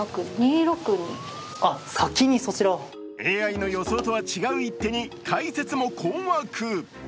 ＡＩの予想とは違う一手に解説も困惑。